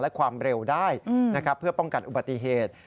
และความเร็วได้นะครับเพื่อป้องกันอุบัติเหตุ